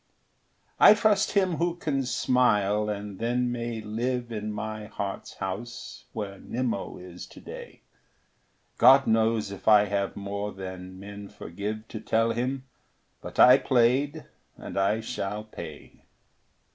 I trust him who can smile and then may live In my heart's house, where Nimmo is today. God knows if I have more than men forgive To tell him; but I played, and I shall pay.